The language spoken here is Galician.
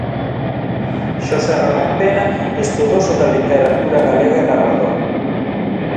Xosé Ramón Pena, estudoso da literatura galega e narrador.